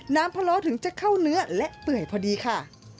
พะโล้ถึงจะเข้าเนื้อและเปื่อยพอดีค่ะ